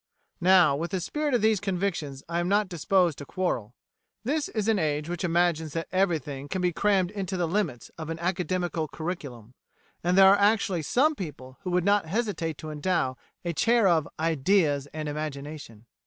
Now, with the spirit of these convictions I am not disposed to quarrel. This is an age which imagines that everything can be crammed into the limits of an academical curriculum; and there are actually some people who would not hesitate to endow a chair of "Ideas and Imagination."